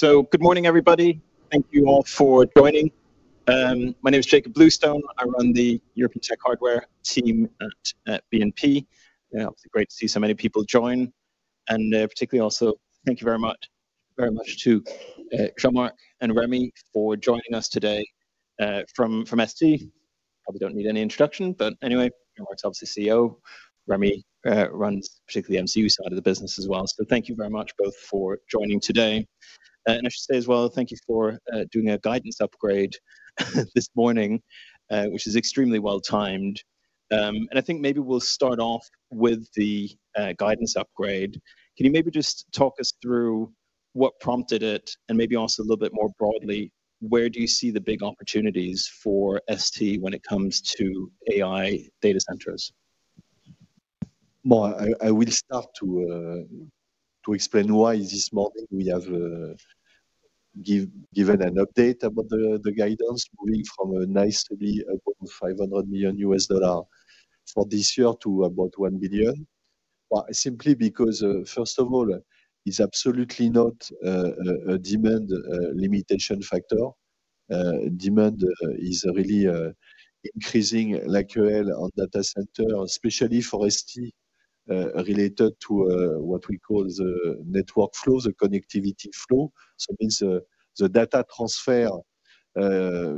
Good morning, everybody. Thank you all for joining. My name is Jakob Bluestone. I run the European Tech Hardware team at BNP. Obviously great to see so many people join, and particularly also thank you very much to Jean-Marc and Remi for joining us today from ST. Probably don't need any introduction, but anyway, Jean-Marc's obviously CEO. Remi runs particularly the MCU side of the business as well. Thank you very much both for joining today. I should say as well, thank you for doing a guidance upgrade this morning, which is extremely well-timed. I think maybe we'll start off with the guidance upgrade. Can you maybe just talk us through what prompted it, and maybe also a little bit more broadly, where do you see the big opportunities for ST when it comes to AI data centers? Well, I will start to explain why this morning we have given an update about the guidance moving from nicely above $500 million for this year to about $1 billion. Why? Simply because, first of all, it's absolutely not a demand limitation factor. Demand is really increasing like hell on data center, especially for ST, related to what we call the network flow, the connectivity flow. Means the data transfer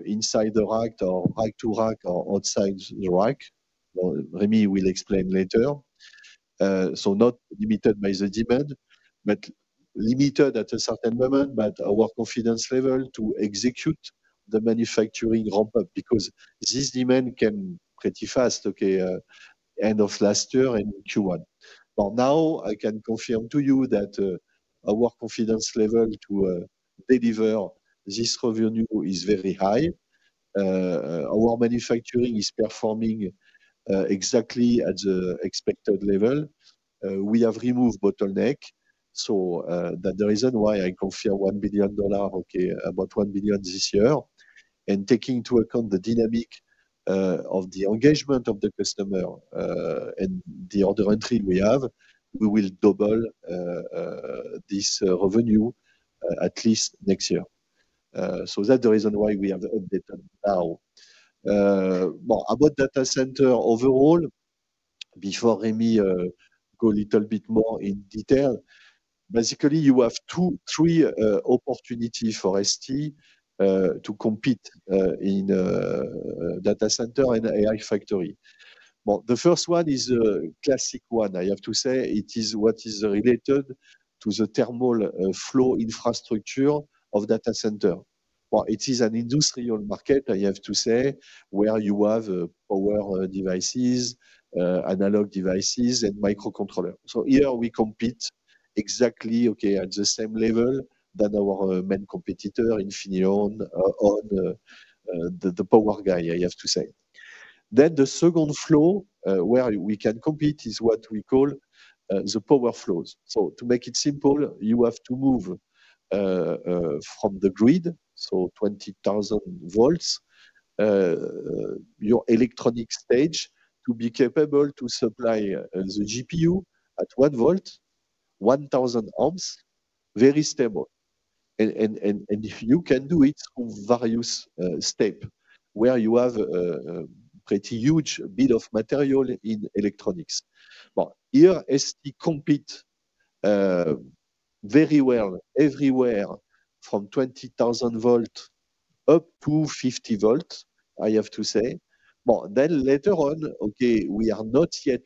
inside the rack or rack to rack or outside the rack. Remi will explain later. Not limited by the demand, but limited at a certain moment by our confidence level to execute the manufacturing ramp-up because this demand came pretty fast, okay, end of last year in Q1. Now I can confirm to you that our confidence level to deliver this revenue is very high. Our manufacturing is performing exactly at the expected level. We have removed bottleneck, that the reason why I confirm $1 billion, okay, about $ billion this year. Taking into account the dynamic of the engagement of the customer, and the order entry we have, we will double this revenue at least next year. That the reason why we have updated now. Well, about data center overall, before Remi go little bit more in detail. Basically, you have three opportunity for ST to compete in data center and AI factory. Well, the first one is a classic one, I have to say. It is what is related to the thermal flow infrastructure of data center. Well, it is an industrial market, I have to say, where you have power devices, analog devices, and microcontroller. Here we compete exactly, okay, at the same level that our main competitor, Infineon, on the power guy, I have to say. The second flow where we can compete is what we call the power flows. To make it simple, you have to move from the grid, 20,000 V, your electronic stage to be capable to supply the GPU at 1 V, 1,000 amps, very stable. If you can do it on various step where you have a pretty huge bit of material in electronics. Here ST compete very well everywhere from 20,000 V up to 50 V, I have to say. Later on, okay, we are not yet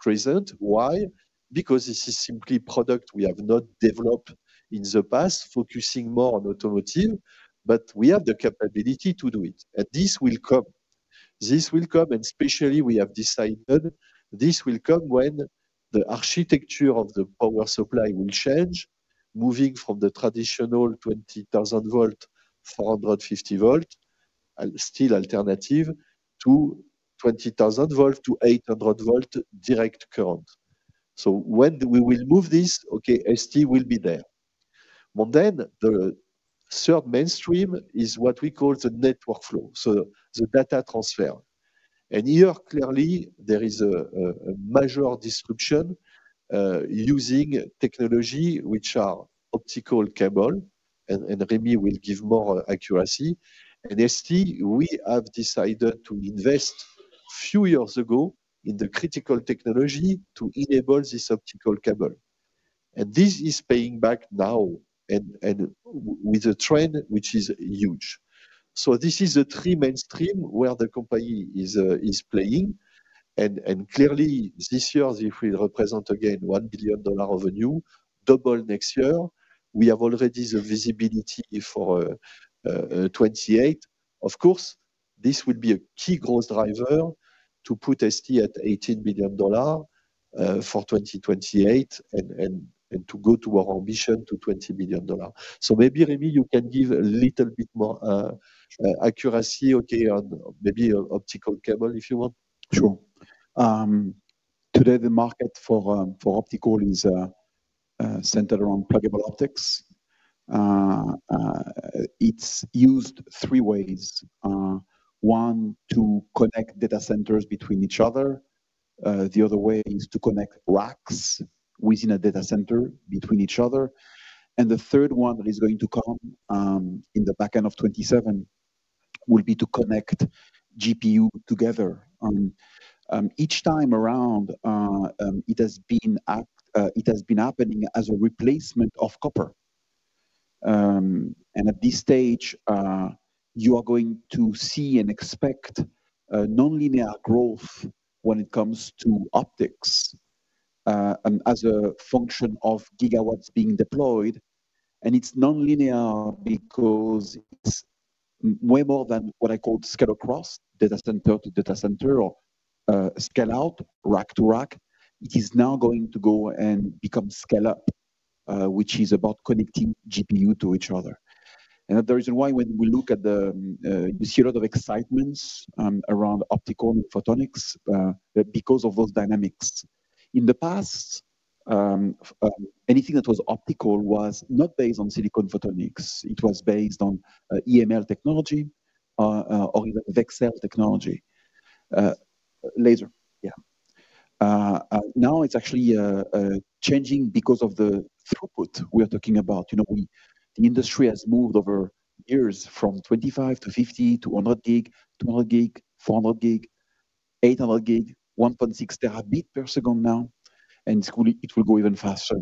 present. Why? Because this is simply product we have not developed in the past, focusing more on automotive, but we have the capability to do it. This will come. This will come, and especially we have decided this will come when the architecture of the power supply will change, moving from the traditional 20,000 V, 450 V, still alternative, to 20,000 V to 800 V direct current. When we will move this, okay, ST will be there. The third mainstream is what we call the network flow, so the data transfer. Here, clearly there is a major disruption, using technology which are optical cable, and Remi will give more accuracy. At ST, we have decided to invest few years ago in the critical technology to enable this optical cable. This is paying back now and with a trend which is huge. This is the three mainstream where the company is playing. Clearly this year, if we represent again $1 billion revenue, double next year, we have already the visibility for 2028. Of course, this will be a key growth driver to put ST at $18 billion for 2028 and to go to our ambition to $20 billion. Maybe, Remi, you can give a little bit more accuracy, okay, on maybe optical cable, if you want. Sure. Today, the market for optical is centered around pluggable optics. It's used three ways. One, to connect data centers between each other. The other way is to connect racks within a data center between each other. The third one that is going to come in the back end of 2027 will be to connect GPU together. Each time around, it has been happening as a replacement of copper. At this stage, you are going to see and expect non-linear growth when it comes to optics as a function of gigawatts being deployed. It's non-linear because it's way more than what I call scale across data center to data center or scale-out rack to rack. It is now going to go and become scale up, which is about connecting GPU to each other. The reason why when we look at the, you see a lot of excitement around optical and photonics because of those dynamics. In the past, anything that was optical was not based on silicon photonics. It was based on EML technology or even VCSEL technology. Laser, yeah. Now it's actually changing because of the throughput we are talking about. The industry has moved over years from 25 Gb to 50 Gb to 100 Gb, 200 Gb, 400 Gb, 800 Gb, 1.6 Tbps now, and it will go even faster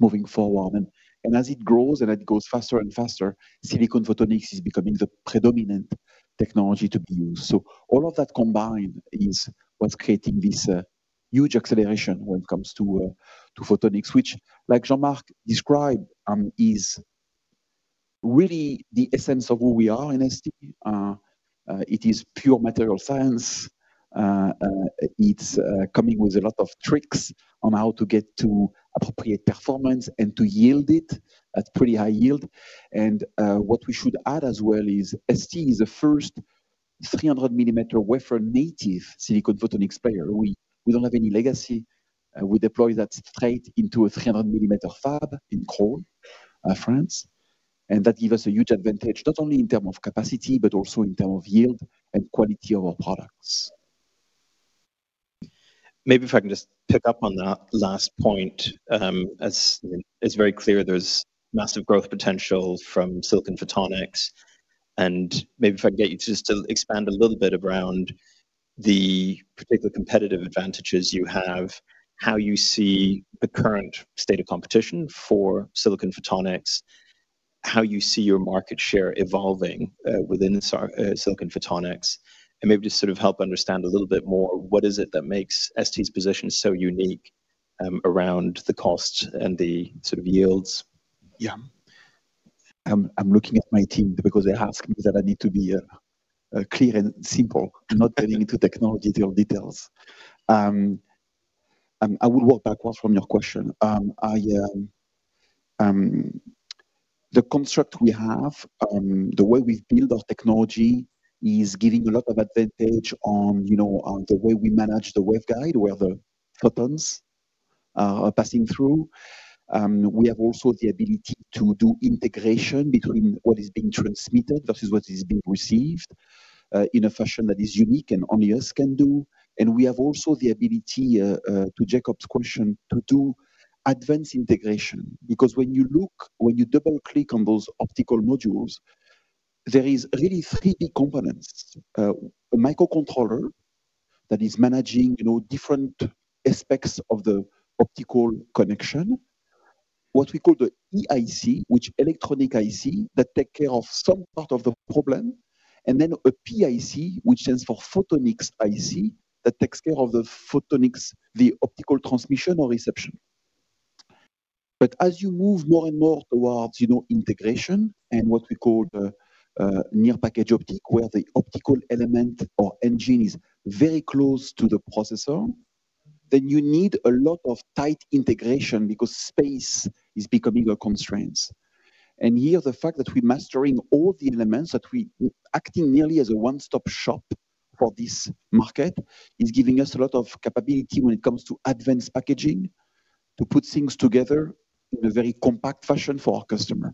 moving forward. As it grows and it goes faster and faster, silicon photonics is becoming the predominant technology to be used. All of that combined is what's creating this huge acceleration when it comes to photonics, which like Jean-Marc described, is really the essence of who we are in ST. It is pure material science. It's coming with a lot of tricks on how to get to appropriate performance and to yield it at pretty high yield. What we should add as well is ST is the first 300 mm wafer native silicon photonics player. We don't have any legacy. We deploy that straight into a 300 mm fab in Crolles, France. That give us a huge advantage, not only in term of capacity, but also in term of yield and quality of our products. Maybe if I can just pick up on that last point. As is very clear, there's massive growth potential from silicon photonics, and maybe if I can get you just to expand a little bit around the particular competitive advantages you have, how you see the current state of competition for silicon photonics, how you see your market share evolving within silicon photonics, and maybe just sort of help understand a little bit more what is it that makes ST's position so unique around the cost and the sort of yields. Yeah. I'm looking at my team because they ask me that I need to be clear and simple and not getting into technology or details. I will work backwards from your question. The construct we have, the way we build our technology is giving a lot of advantage on the way we manage the waveguide, where the photons are passing through. We have also the ability to do integration between what is being transmitted versus what is being received, in a fashion that is unique and only us can do. We have also the ability, to Jakob's question, to do advanced integration, because when you look, when you double-click on those optical modules, there is really three key components. A microcontroller that is managing different aspects of the optical connection, what we call the EIC, which electronic IC, that take care of some part of the problem, and then a PIC, which stands for photonics IC, that takes care of the photonics, the optical transmission or reception. As you move more and more towards integration and what we call near-package optics, where the optical element or engine is very close to the processor, then you need a lot of tight integration because space is becoming a constraint. Here, the fact that we mastering all the elements, that we acting nearly as a one-stop shop for this market is giving us a lot of capability when it comes to advanced packaging to put things together in a very compact fashion for our customer.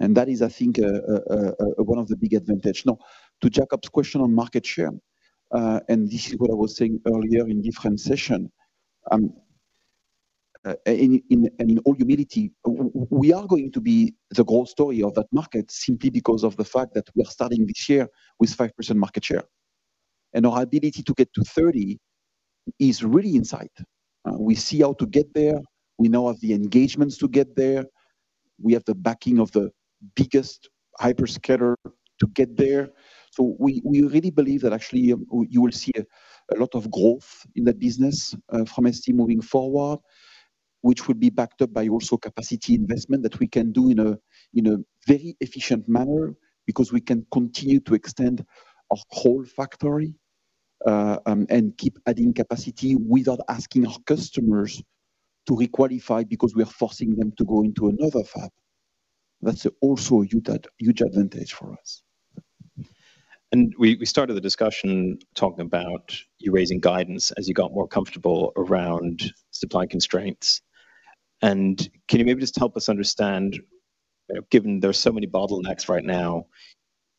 That is, I think, one of the big advantage. Now, to Jakob's question on market share, and this is what I was saying earlier in different session. In all humility, we are going to be the growth story of that market simply because of the fact that we are starting this year with 5% market share. Our ability to get to 30% is really in sight. We see how to get there. We know of the engagements to get there. We have the backing of the biggest hyperscaler to get there. We really believe that actually you will see a lot of growth in that business from ST moving forward, which will be backed up by also capacity investment that we can do in a very efficient manner because we can continue to extend our Crolles factory, and keep adding capacity without asking our customers to re-qualify because we are forcing them to go into another fab. That's also a huge advantage for us. We started the discussion talking about you raising guidance as you got more comfortable around supply constraints. Can you maybe just help us understand, given there are so many bottlenecks right now,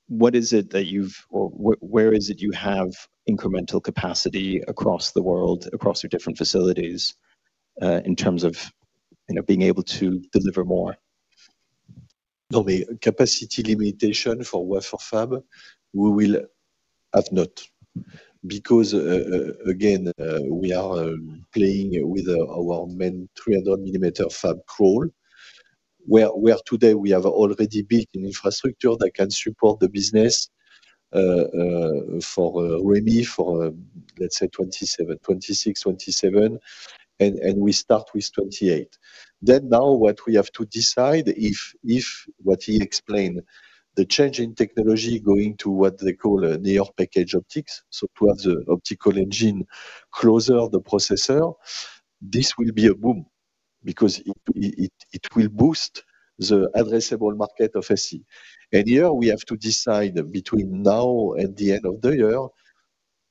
where is it you have incremental capacity across the world, across your different facilities, in terms of being able to deliver more? No, the capacity limitation for wafer fab, we will have not. Because, again, we are playing with our main 300 mm fab Crolles. Where today we have already built an infrastructure that can support the business for Remi, for let's say 2026, 2027, and we start with 2028. Now what we have to decide, if what he explained, the change in technology going to what they call near-package optics. To have the optical engine closer the processor, this will be a boom because it will boost the addressable market of ST. Here we have to decide between now and the end of the year,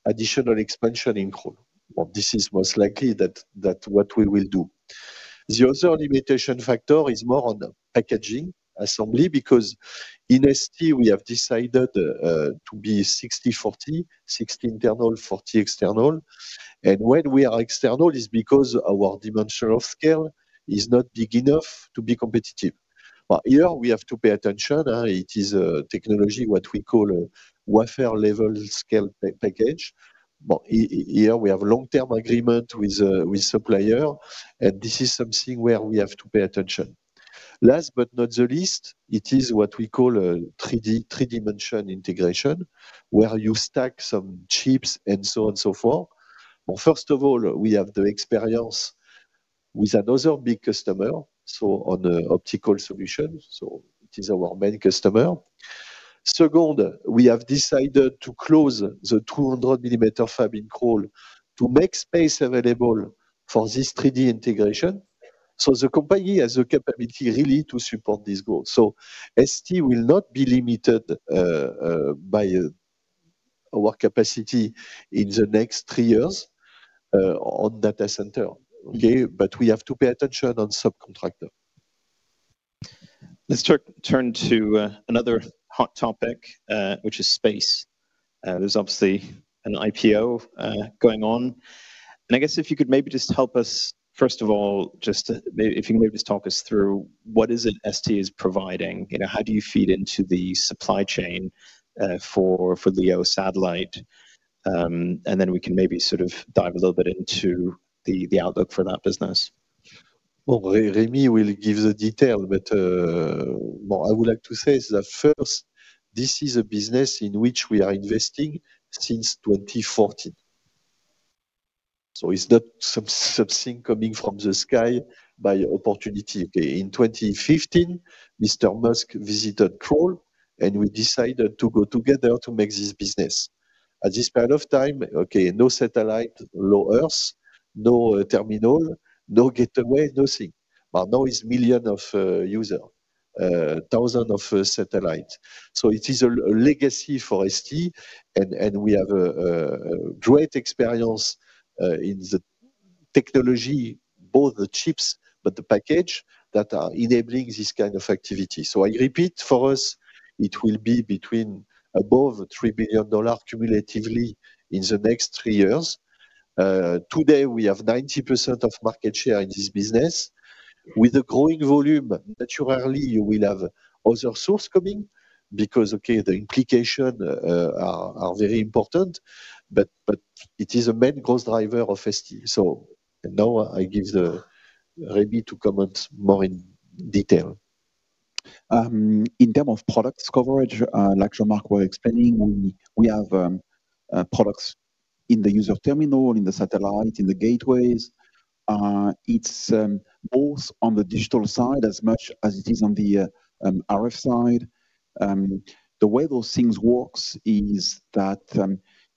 additional expansion in Crolles. Well, this is most likely that what we will do. The other limitation factor is more on the packaging assembly, because in ST, we have decided to be 60/40, 60 internal, 40 external. When we are external is because our dimension of scale is not big enough to be competitive. Here we have to pay attention. It is a technology, what we call a wafer level chip scale package. Here we have long-term agreement with supplier, and this is something where we have to pay attention. Last but not the least, it is what we call a 3D integration, where you stack some chips and so on and so forth. First of all, we have the experience with another big customer, so on the optical solution. It is our main customer. Second, we have decided to close the 200 mm fab in Crolles to make space available for this 3D integration. The company has the capacity really to support this goal. ST will not be limited by our capacity in the next three years, on data center. Okay. We have to pay attention on subcontractor. Let's turn to another hot topic, which is space. There's obviously an IPO going on. I guess if you could maybe just help us, first of all, just if you can maybe just talk us through what is it ST is providing. How do you feed into the supply chain for LEO satellite? Then we can maybe sort of dive a little bit into the outlook for that business. Well, Remi will give the detail, but what I would like to say is that first, this is a business in which we are investing since 2014. It's not something coming from the sky by opportunity. Okay, in 2015, Mr. Musk visited Crolles, and we decided to go together to make this business. At this point of time, okay, no satellite, low Earth, no terminal, no gateway, nothing. Now it's million of user, thousand of satellite. It is a legacy for ST, and we have a great experience, in the technology, both the chips but the package that are enabling this kind of activity. I repeat, for us, it will be between above $3 billion cumulatively in the next three years. Today, we have 90% of market share in this business. With a growing volume, naturally, you will have other source coming because, okay, the implication are very important, but it is a main growth driver of ST. Now I give Remi to comment more in detail. In terms of products coverage, like Jean-Marc was explaining, we have products in the user terminal, in the satellite, in the gateways. It's both on the digital side as much as it is on the RF side. The way those things work is that,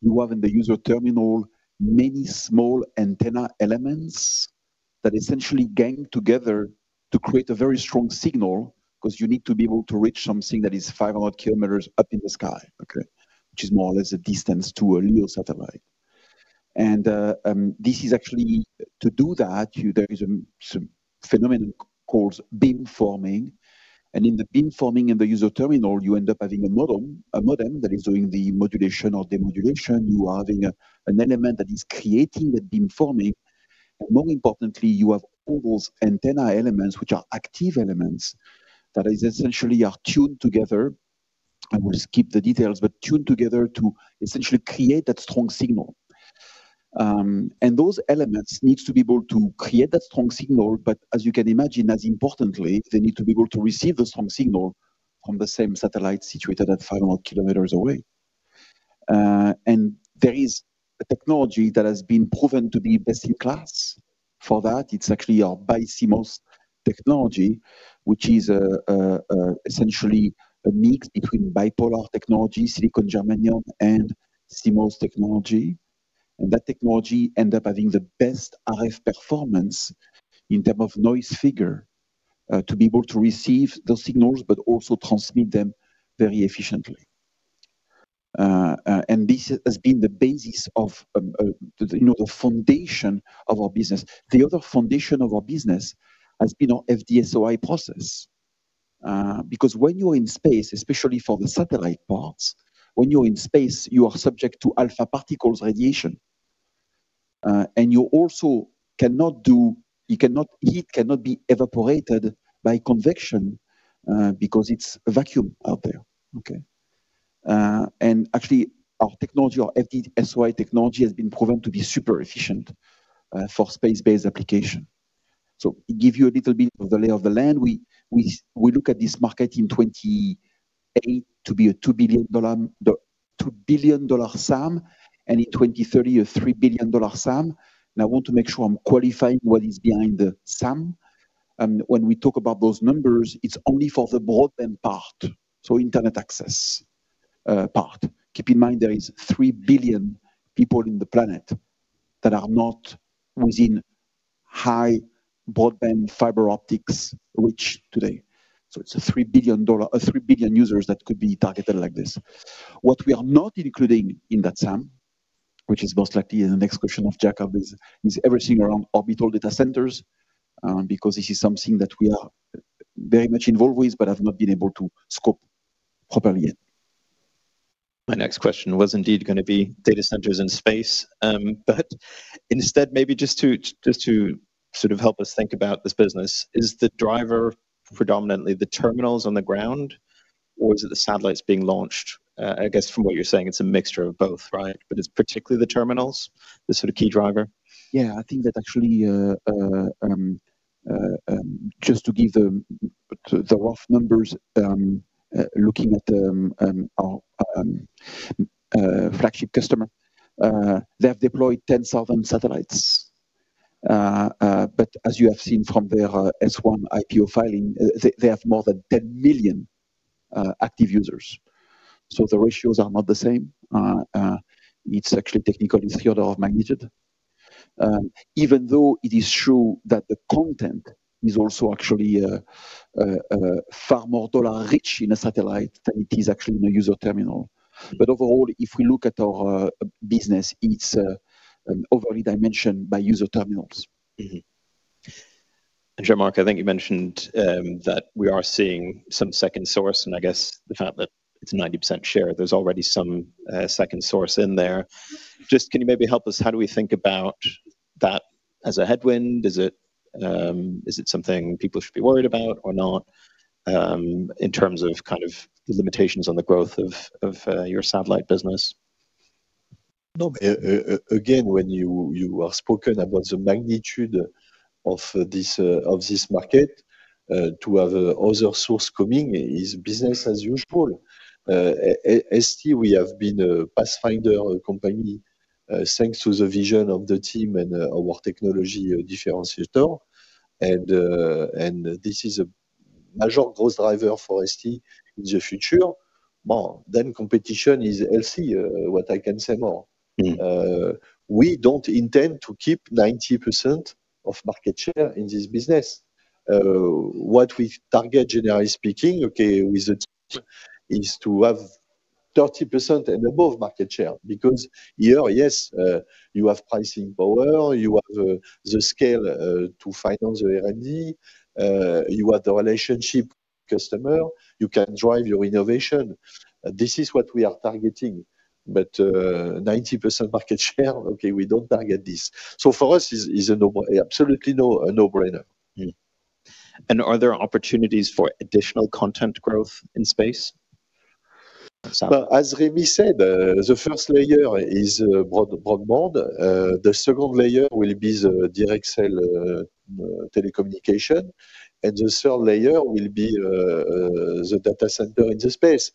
you have in the user terminal many small antenna elements that essentially gang together to create a very strong signal because you need to be able to reach something that is 500 k up in the sky, okay. Which is more or less a distance to a LEO satellite. To do that, there is some phenomenon called beamforming, and in the beamforming in the user terminal, you end up having a modem that is doing the modulation or demodulation. You are having an element that is creating the beamforming, and more importantly, you have all those antenna elements, which are active elements that is essentially are tuned together. We'll skip the details, but tuned together to essentially create that strong signal. Those elements needs to be able to create that strong signal, but as you can imagine, as importantly, they need to be able to receive the strong signal from the same satellite situated at 500 km away. There is a technology that has been proven to be best in class for that. It's actually a BiCMOS technology, which is essentially a mix between bipolar technology, silicon germanium and CMOS technology. That technology end up having the best RF performance in term of noise figure, to be able to receive those signals, but also transmit them very efficiently. This has been the basis of the foundation of our business. The other foundation of our business has been our FD-SOI process. Because when you're in space, especially for the satellite parts, when you're in space, you are subject to alpha particles radiation. Heat cannot be evaporated by convection, because it's a vacuum out there. Okay? Actually our technology, our FD-SOI technology, has been proven to be super efficient for space-based application. To give you a little bit of the lay of the land, we look at this market in 2028 to be a $2 billion SAM, and in 2030, a $3 billion SAM, and I want to make sure I'm qualifying what is behind the SAM. When we talk about those numbers, it's only for the broadband part, so internet access part. Keep in mind, there is 3 billion people in the planet that are not within high broadband fiber optics reach today. It's 3 billion users that could be targeted like this. What we are not including in that SAM, which is most likely in the next question of Jakob, is everything around orbital data centers, because this is something that we are very much involved with, but have not been able to scope properly yet. My next question was indeed going to be data centers in space. Instead, maybe just to sort of help us think about this business, is the driver predominantly the terminals on the ground, or is it the satellites being launched? I guess from what you're saying, it's a mixture of both, right? It's particularly the terminals, the sort of key driver? I think that actually, just to give the rough numbers, looking at our flagship customer, they have deployed 10,000 satellites. As you have seen from their S-1 IPO filing, they have more than 10 million active users. The ratios are not the same. It is actually technically three orders of magnitude. Even though it is true that the content is also actually far more dollar rich in a satellite than it is actually in a user terminal. Overall, if we look at our business, it's overly dimensioned by user terminals. Mm-hmm. Jean-Marc, I think you mentioned that we are seeing some second source, and I guess the fact that it's 90% share, there's already some second source in there. Just can you maybe help us, how do we think about that as a headwind? Is it something people should be worried about or not, in terms of the limitations on the growth of your satellite business? No, again, when you have spoken about the magnitude of this market, to have other source coming is business as usual. At ST, we have been a pathfinder company, thanks to the vision of the team and our technology differentiator. This is a major growth driver for ST in the future. Competition is healthy. What I can say more? We don't intend to keep 90% of market share in this business. What we target, generally speaking, okay, with the team, is to have 30% and above market share. Here, yes, you have pricing power, you have the scale to finance the R&D, you have the relationship customer, you can drive your innovation. This is what we are targeting. 90% market share, okay, we don't target this. For us, it's absolutely a no-brainer. Are there opportunities for additional content growth in space? Well, as Remi said, the first layer is broadband. The second layer will be the direct-to-cell telecommunication, and the third layer will be the data center in the space.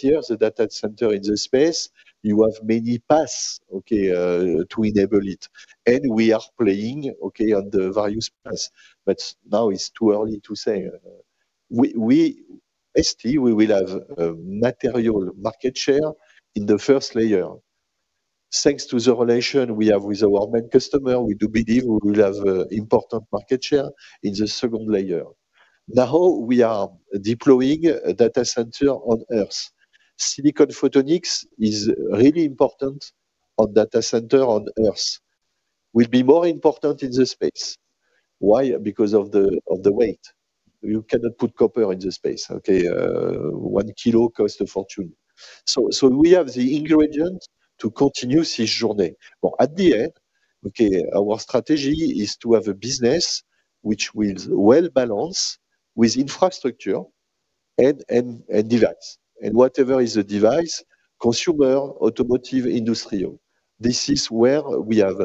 Here, the data center in the space, you have many paths, okay, to enable it. We are playing, okay, on the value space. Now it's too early to say. ST, we will have material market share in the first layer. Thanks to the relation we have with our main customer, we do believe we will have important market share in the second layer. Now we are deploying a data center on Earth. silicon photonics is really important on data center on Earth. Will be more important in the space. Why? Because of the weight. You cannot put copper into space, okay? 1 k costs a fortune. We have the ingredient to continue this journey. At the end, okay, our strategy is to have a business which will well balance with infrastructure and device. Whatever is the device, consumer, automotive, industrial. This is where we have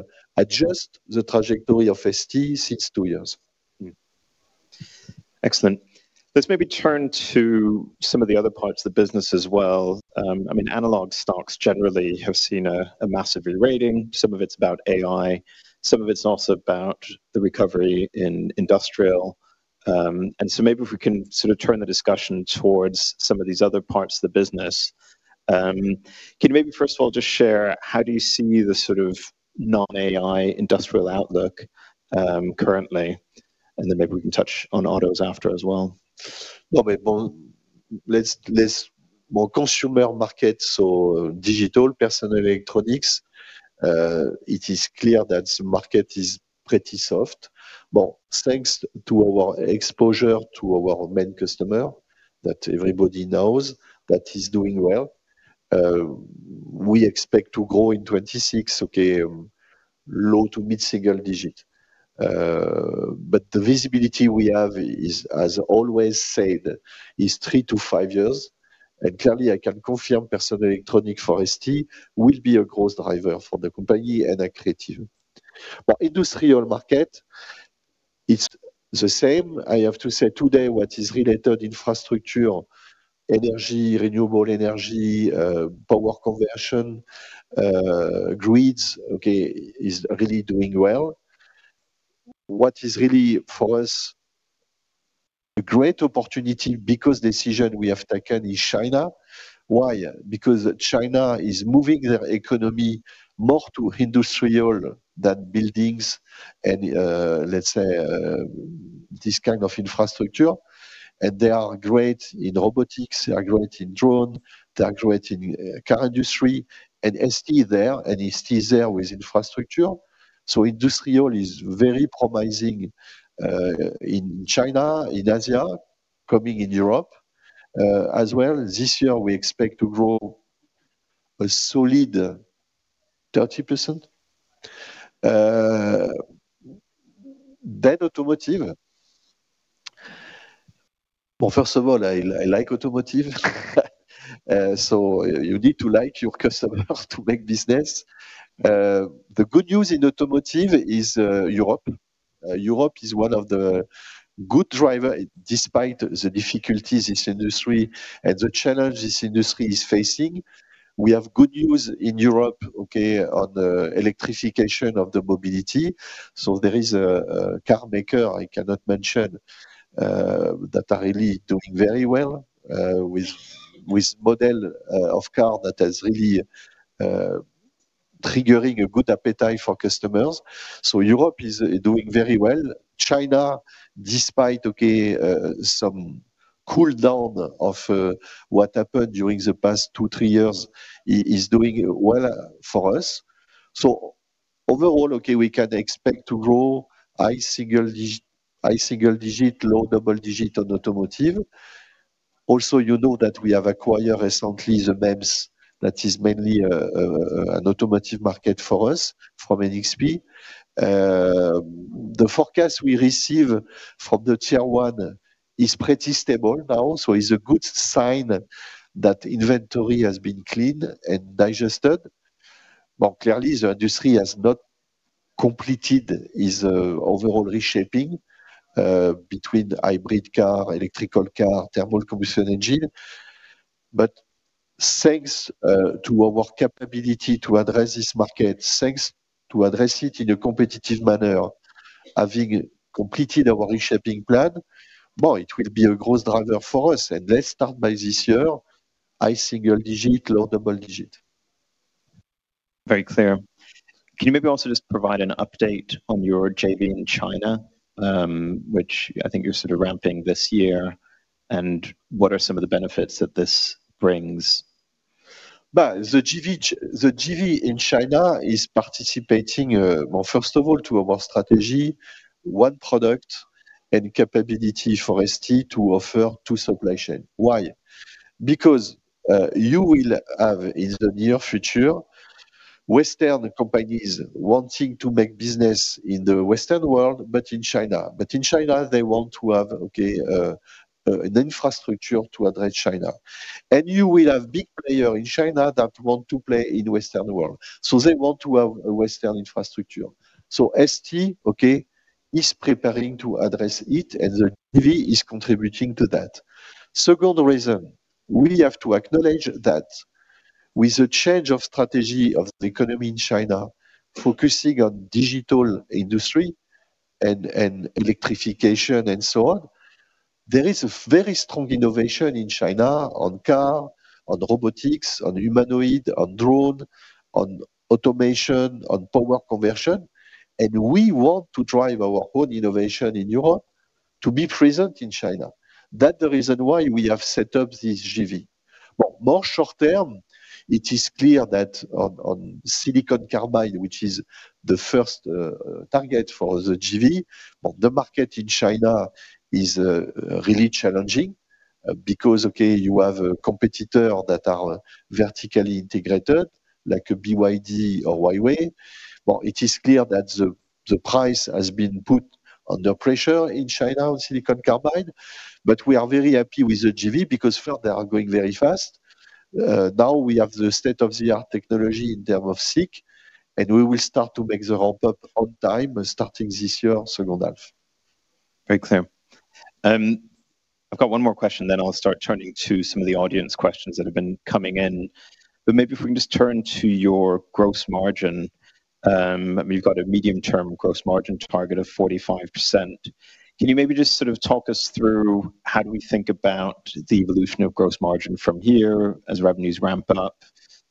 adjust the trajectory of ST since two years. Excellent. Let's maybe turn to some of the other parts of the business as well. Analog stocks generally have seen a massive rerating. Some of it's about AI, some of it's also about the recovery in industrial. Maybe if we can sort of turn the discussion towards some of these other parts of the business. Can you maybe first of all just share how do you see the sort of non-AI industrial outlook currently? Then maybe we can touch on autos after as well. Well, consumer markets or digital personal electronics, it is clear that the market is pretty soft. Thanks to our exposure to our main customer that everybody knows that is doing well, we expect to grow in 2026 low to mid-single digit. The visibility we have is, as always said, is three to five years. Clearly I can confirm personal electronic for ST will be a growth driver for the company and activity. Industrial market, it's the same. I have to say today what is related, infrastructure, energy, renewable energy, power conversion, grids is really doing well. What is really for us a great opportunity, because decision we have taken in China. Why? Because China is moving their economy more to industrial than buildings and, let's say, this kind of infrastructure. They are great in robotics, they are great in drone, they are great in car industry, ST is there with infrastructure. Industrial is very promising in China, in Asia, coming in Europe as well. This year we expect to grow a solid 30%. Automotive. Well, first of all, I like automotive, you need to like your customer to make business. The good news in automotive is Europe. Europe is one of the good driver despite the difficulties this industry and the challenge this industry is facing. We have good news in Europe on the electrification of the mobility. There is a car maker I cannot mention that are really doing very well with model of car that has really triggering a good appetite for customers. Europe is doing very well. China, despite, okay, some cool down of what happened during the past two, three years, is doing well for us. Overall okay, we can expect to grow high single-digit, low double-digit on automotive. Also, you know that we have acquired recently the MEMS that is mainly an automotive market for us from NXP. The forecast we receive from the Tier 1 is pretty stable now, so is a good sign that inventory has been cleared and digested. Clearly, the industry has not completed its overall reshaping between hybrid car, electrical car, thermal combustion engine. Thanks to our capability to address this market, thanks to address it in a competitive manner, having completed our reshaping plan, it will be a growth driver for us. Let's start by this year, high single-digit, low double-digit. Very clear. Can you maybe also just provide an update on your JV in China? Which I think you're sort of ramping this year, and what are some of the benefits that this brings? The JV in China is participating, well, first of all, to our strategy, one product and capability for ST to offer to supply chain. Why? Because you will have, in the near future, Western companies wanting to make business in the Western world, but in China. In China, they want to have an infrastructure to address China. You will have big player in China that want to play in Western world, so they want to have a Western infrastructure. ST is preparing to address it, and the JV is contributing to that. Second reason, we have to acknowledge that with the change of strategy of the economy in China focusing on digital industry and electrification and so on, there is a very strong innovation in China on car, on robotics, on humanoid, on drone, on automation, on power conversion. We want to drive our own innovation in Europe to be present in China. That is the reason why we have set up this JV. More short term, it is clear that on silicon carbide, which is the first target for the JV, the market in China is really challenging because you have a competitor that are vertically integrated, like a BYD or Huawei. Well, it is clear that the price has been put under pressure in China on silicon carbide, but we are very happy with the JV because [further] are growing very fast. Now we have the state-of-the-art technology in term of SiC, and we will start to make the ramp-up on time, starting this year, second half. Very clear. I've got one more question, then I'll start turning to some of the audience questions that have been coming in. Maybe if we can just turn to your gross margin. You've got a medium-term gross margin target of 45%. Can you maybe just sort of talk us through how do we think about the evolution of gross margin from here as revenues ramp up?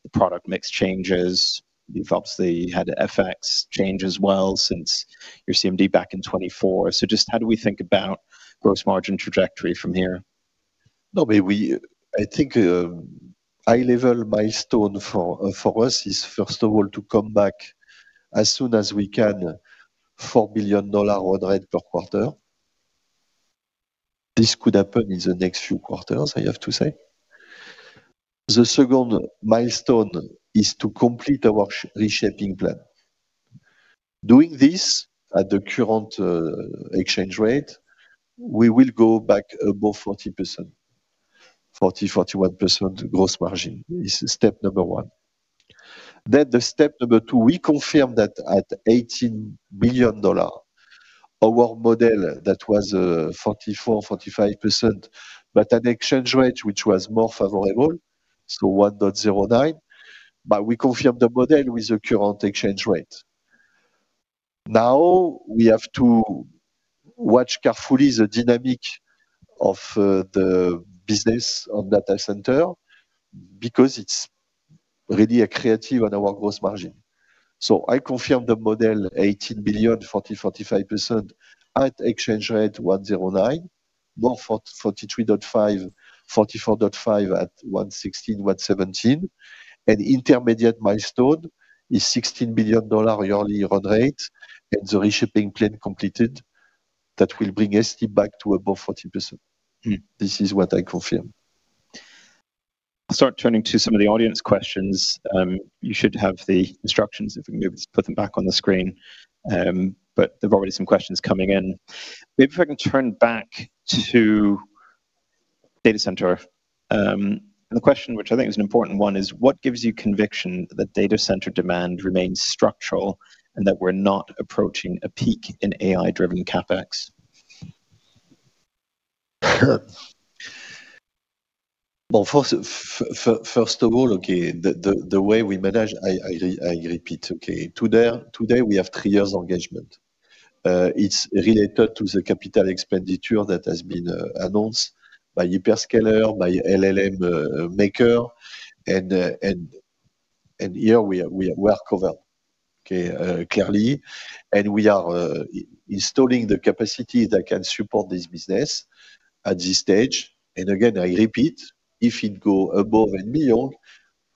The product mix changes. You've obviously had FX change as well since your CMD back in 2024. Just how do we think about gross margin trajectory from here? No, I think a high-level milestone for us is, first of all, to come back as soon as we can, $4 billion run rate per quarter. This could happen in the next few quarters, I have to say. The second milestone is to complete our reshaping plan. Doing this at the current exchange rate, we will go back above 40%. 40%-41% gross margin is step number one. The step number two, we confirm that at $18 billion, our model that was 44%-45%, at exchange rate, which was more favorable, 1.09, we confirm the model with the current exchange rate. We have to watch carefully the dynamic of the business on data center because it's really accretive on our gross margin. I confirm the model $18 billion, 40%-45% at exchange rate 1.09. More 43.5%-44.5% at 1.16, 1.17. An intermediate milestone is $16 billion yearly run rate and the reshaping plan completed. That will bring ST back to above 40%. This is what I confirm. I'll start turning to some of the audience questions. You should have the instructions if we maybe put them back on the screen. There are already some questions coming in. Maybe if I can turn back to data center. The question, which I think is an important one, is what gives you conviction that data center demand remains structural and that we're not approaching a peak in AI-driven CapEx? First of all, okay, the way we manage, I repeat, okay, today we have three years engagement. It's related to the capital expenditure that has been announced by hyperscaler, by LLM maker. Here we are well-covered, okay, clearly. We are installing the capacity that can support this business at this stage. Again, I repeat, if it go above a billion,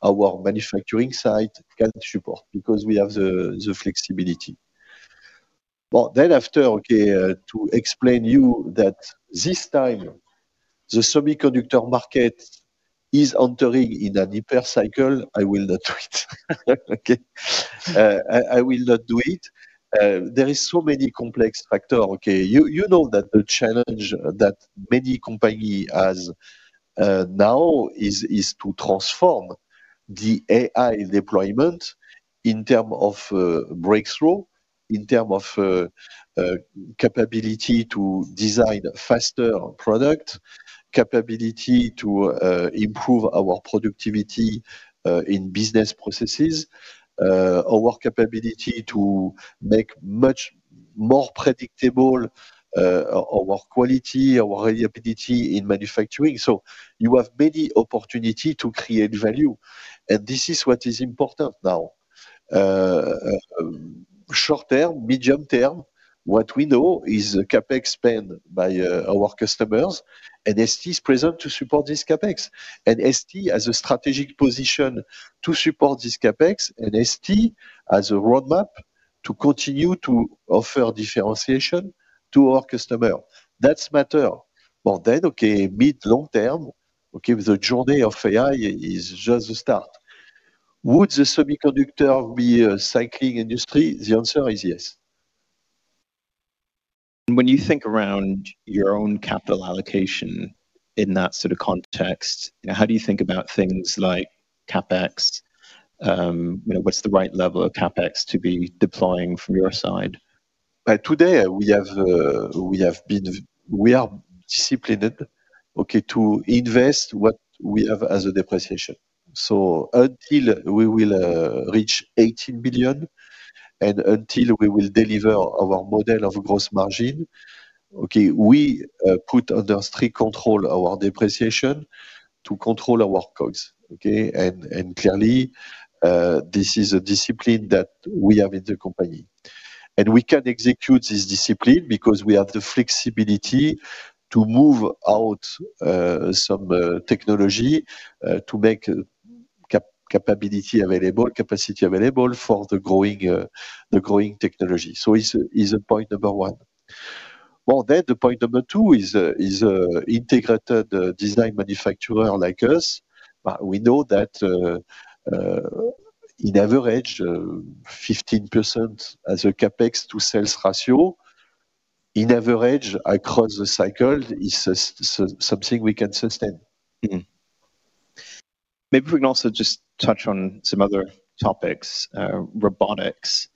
our manufacturing site can support because we have the flexibility. Then after, okay, to explain you that this time the semiconductor market is entering in an hyper cycle, I will not do it. Okay? There is so many complex factor, okay. You know that the challenge that many company has now is to transform the AI deployment in term of breakthrough, in term of capability to design faster product, capability to improve our productivity in business processes, our capability to make much more predictable our quality, our reliability in manufacturing. You have many opportunity to create value, and this is what is important now. Short term, medium term, what we know is the CapEx spend by our customers, and ST is present to support this CapEx. ST has a strategic position to support this CapEx, and ST has a roadmap to continue to offer differentiation to our customer. That matter. Then, okay, mid, long term, okay, the journey of AI is just the start. Would the semiconductor be a cycling industry? The answer is yes. When you think around your own capital allocation in that sort of context, how do you think about things like CapEx? What's the right level of CapEx to be deploying from your side? By today, we are disciplined, okay, to invest what we have as a depreciation. Until we will reach $18 billion and until we will deliver our model of gross margin, okay, we put under strict control our depreciation to control our costs, okay? Clearly, this is a discipline that we have in the company. We can execute this discipline because we have the flexibility to move out some technology to make capacity available for the growing technology. Is point one. The point two is integrated design manufacturer like us. We know that in average, 15% as a CapEx to sales ratio, in average, across the cycle is something we can sustain. Maybe if we can also just touch on some other topics. Robotics.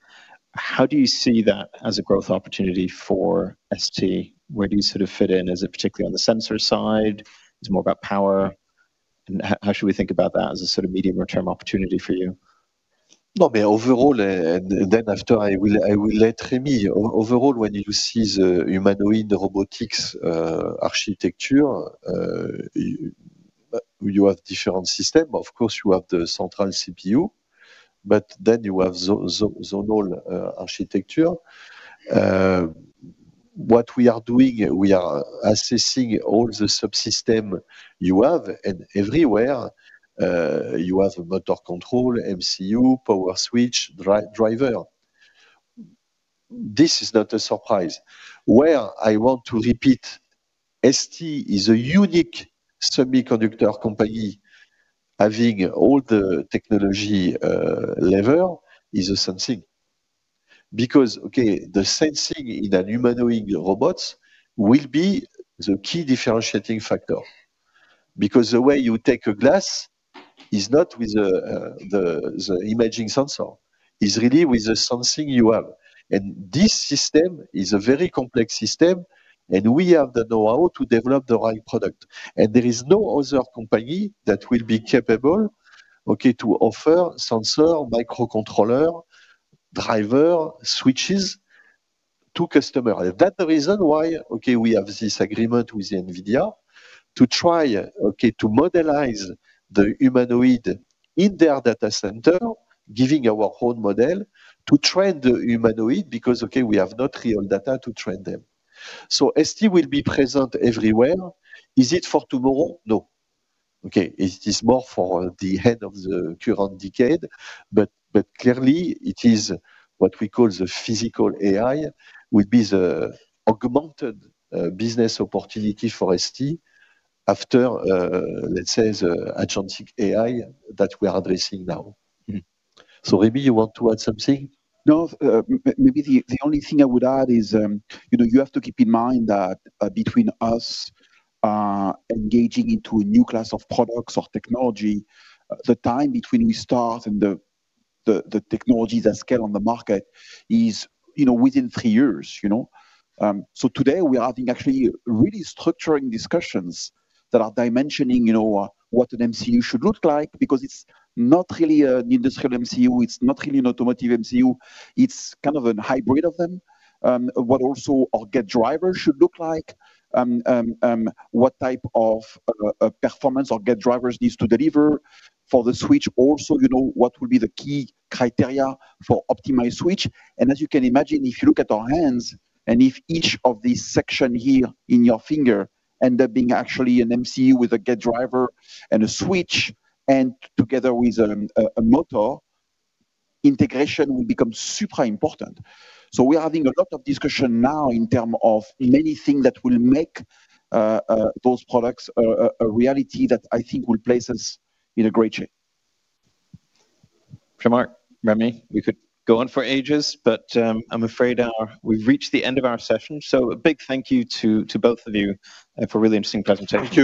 How do you see that as a growth opportunity for ST? Where do you sort of fit in? Is it particularly on the sensor side? Is it more about power? How should we think about that as a sort of medium or term opportunity for you? Overall, after I will let Remi. Overall, when you see the humanoid robotics architecture, you have different system. Of course, you have the central CPU, but then you have zonal architecture. What we are doing, we are assessing all the subsystem you have, and everywhere, you have a motor control, MCU, power switch, driver. This is not a surprise. Where I want to repeat, ST is a unique semiconductor company having all the technology level is a sensing. Okay, the sensing in a humanoid robots will be the key differentiating factor. The way you take a glass is not with the imaging sensor. It's really with the sensing you have. This system is a very complex system, and we have the knowhow to develop the right product. There is no other company that will be capable to offer sensor, microcontroller, driver, switches to customer. That is the reason why we have this agreement with NVIDIA to try to modelize the humanoid in their data center, giving our own model to train the humanoid because we have not real data to train them. ST will be present everywhere. Is it for tomorrow? No. It is more for the head of the current decade, but clearly it is what we call the physical AI will be the augmented business opportunity for ST after, let's say, the agentic AI that we are addressing now. Remi, you want to add something? No. Maybe the only thing I would add is you have to keep in mind that between us engaging into a new class of products or technology, the time between we start and the technologies that scale on the market is within three years. Today we are having actually really structuring discussions that are dimensioning what an MCU should look like because it's not really an industrial MCU, it's not really an automotive MCU. It's kind of a hybrid of them. What also our gate driver should look like, what type of performance our gate drivers needs to deliver for the switch also, what will be the key criteria for optimized switch. As you can imagine, if you look at our hands, and if each of these section here in your finger end up being actually an MCU with a gate driver and a switch, and together with a motor, integration will become super important. We are having a lot of discussion now in terms of anything that will make those products a reality that I think will place us in a great shape. Jean-Marc, Remi, we could go on for ages, but I'm afraid we've reached the end of our session. A big thank you to both of you for a really interesting presentation.